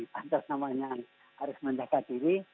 pantas namanya harus menjaga diri